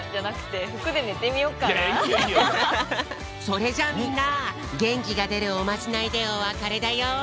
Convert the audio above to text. それじゃあみんなげんきがでるおまじないでおわかれだよ。